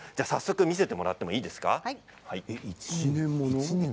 見せてもらっていいですか？